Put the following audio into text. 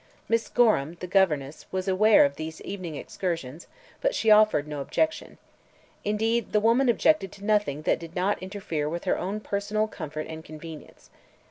Miss Gorham, the governess, was aware of these evening excursions, but offered no objection. Indeed, the woman objected to nothing that did not interfere with her own personal comfort and convenience.